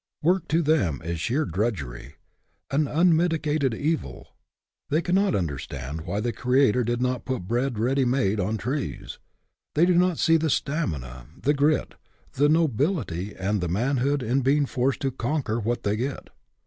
Work to them is sheer drudgery an unmitigated evil. They cannot understand why the Creator did not put bread ready made on trees. They do not see the stamina, the grit, the nobility, and the manhood in being forced to conquer what they get.